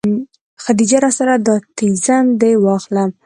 خديجې راسه دا تيزن دې واخله.